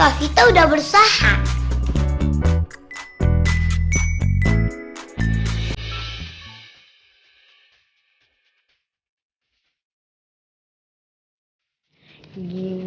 aku masih sedih